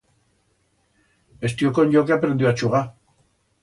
Estió con yo que aprendió a chugar.